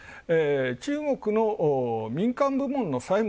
中国の民間部門の債務。